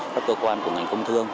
và cơ quan của ngành công thương